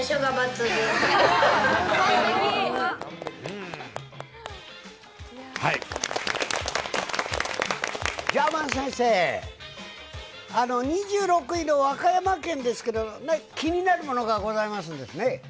ジャーマン先生、２６位の和歌山県ですけど、なんか気になるものがございますんですね。